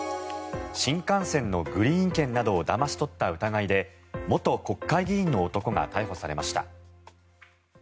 新幹線のグリーン券などをだまし取った疑いで元国会議員の男が逮捕されました。